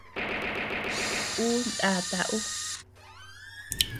Ú ndata ú.